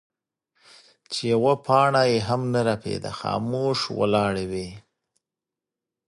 چې يوه پاڼه يې هم نۀ رپيده خاموش ولاړې وې ـ